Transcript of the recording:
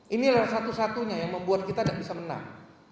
ini adalah satu satunya yang membuat kita tidak bisa menang